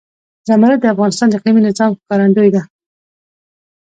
زمرد د افغانستان د اقلیمي نظام ښکارندوی ده.